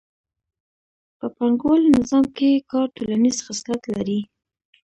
په پانګوالي نظام کې کار ټولنیز خصلت لري